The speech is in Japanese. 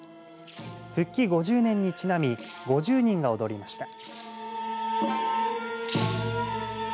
復帰５０年にちなみ５０人が踊りました。